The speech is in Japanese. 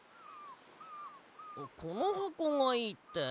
このはこがいいって？